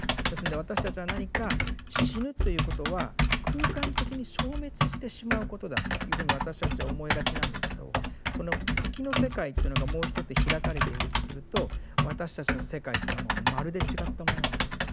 ですので私たちは何か死ぬということは空間的に消滅してしまうことだっていうふうに私たちは思いがちなんですけどその「時」の世界っていうのがもう一つ開かれているとすると私たちの世界っていうのはもうまるで違ったものになる。